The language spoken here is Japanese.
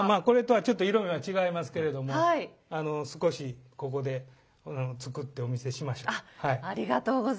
これとはちょっと色が違いますけれども少しここで作ってお見せしましょう。